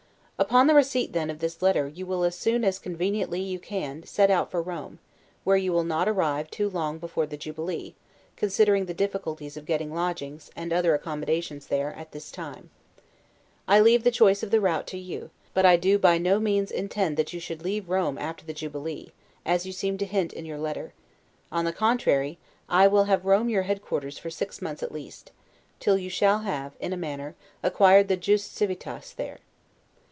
Upon the receipt, then, of this letter, you will as soon as conveniently you can, set out for Rome; where you will not arrive too long before the jubilee, considering the difficulties of getting lodgings, and other accommodations there at this time. I leave the choice of the route to you; but I do by no means intend that you should leave Rome after the jubilee, as you seem to hint in your letter: on the contrary, I will have Rome your headquarters for six months at least; till you shall have, in a manner, acquired the 'Jus Civitatis' there.